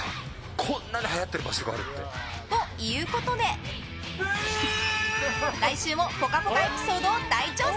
こんなにはやってる場所があるって。ということで、来週もぽかぽかエピソードを大調査！